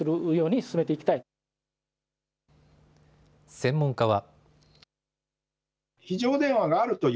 専門家は。